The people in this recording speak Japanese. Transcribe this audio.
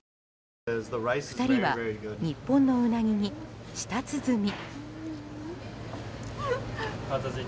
２人は日本のウナギに舌つづみ。